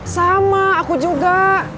sama aku juga